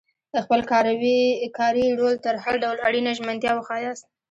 خپل کاري رول ته هر ډول اړینه ژمنتیا وښایاست.